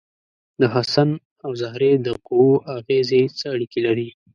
د حسن او زهرې د قوو اغیزې څه اړیکې لري؟